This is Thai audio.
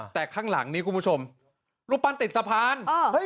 แต่ข้างหลังนี้คุณผู้ชมรูปปั้นติดสะพาน